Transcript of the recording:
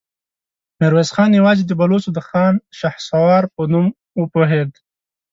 ميرويس خان يواځې د بلوڅو د خان شهسوار په نوم وپوهېد.